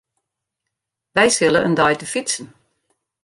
Wy sille in dei te fytsen.